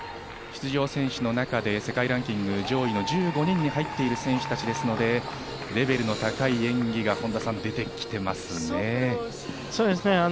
出場選手の中で世界ランキング上位の１５人に入っている選手達ですので、レベルの高い演技が出てきていますね。